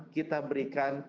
kita berikan ke mereka